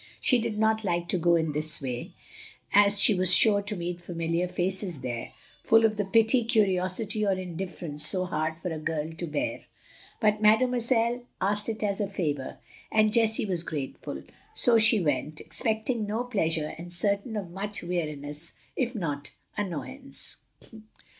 She did not like to go in this way, as she was sure to meet familiar faces there, full of the pity, curiosity, or indifference so hard for a girl to bear. But Mademoiselle asked it as a favor, and Jessie was grateful; so she went, expecting no pleasure and certain of much weariness, if not annoyance.